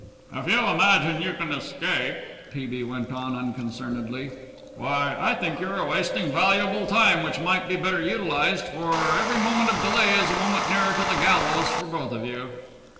"If you imagine you can escape," T. B. went on unconcernedly, "why, I think you are wasting valuable time which might be better utilized, for every moment of delay is a moment nearer to the gallows for both of you."